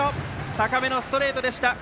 高めのストレートでした。